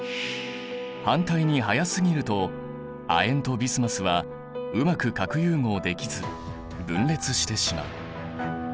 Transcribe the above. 反対に速すぎると亜鉛とビスマスはうまく核融合できず分裂してしまう。